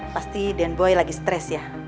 pasti den boy lagi stres ya